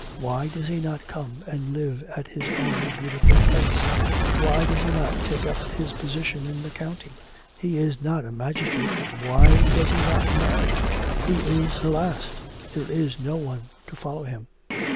Why does he not come and live at his own beautiful place? Why does he not take up his position in the county? He is not a magistrate. Why does he not marry? ... he is the last; there is no one to follow him.'